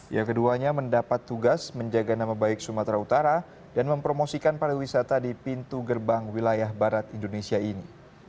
yang keduanya mendapat tugas menjaga nama baik sumatera utara dan mempromosikan pariwisata di pintu gerbang wilayah barat indonesia ini